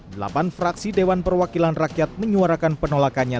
delapan fraksi dewan perwakilan rakyat menyuarakan penolakannya